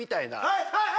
はいはい！